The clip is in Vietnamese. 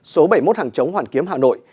số bảy mươi một hàng chống hoàn kiếm hà nội